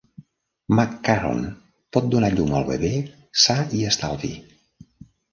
McCarron pot donar llum al bebè sa i estalvi.